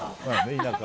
田舎。